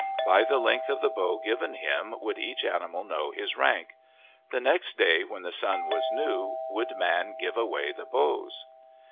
By the length of the bow given him would each animal know his rank. The next day, when the sun was new, would man give away the bows.